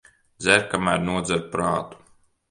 Dzer, kamēr nodzer prātu.